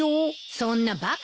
そんなバカな。